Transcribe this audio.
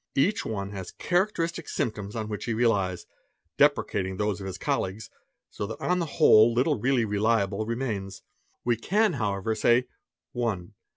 each one has "characteristic symptoms on which he relies, depreciating those of his olleagues; so that on the whole little really reliable remains. _We can Owever, say :— 1.